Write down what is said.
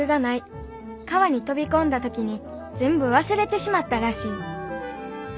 川に飛び込んだ時に全部忘れてしまったらしい。